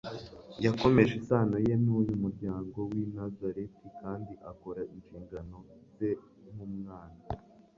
Yakomeje isano Ye n'uyu muryango w'i Nazareti, kandi akora inshingano ze nk'umwana,